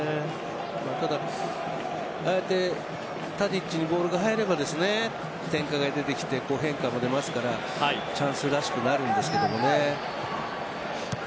ただ、ああやってタディッチにボールが入れば変化も出ますからチャンスらしくなるんですけどね。